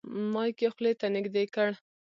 مایک یې خولې ته نږدې کړ.